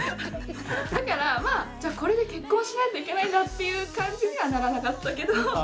だからまあじゃあこれで結婚しないといけないんだっていう感じにはならなかったけど。